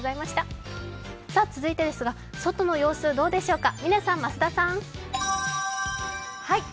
続いてですが、外の様子はどうでしょうか？